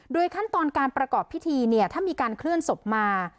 ขั้นตอนการประกอบพิธีเนี่ยถ้ามีการเคลื่อนศพมา